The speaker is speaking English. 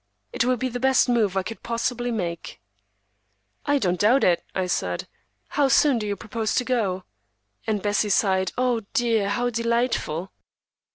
It will be the best move I could possibly make." "I don't doubt it," I said. "How soon do you propose to go?" And Bessie sighed, "O dear, how delightful!"